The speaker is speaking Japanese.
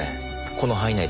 この範囲内で。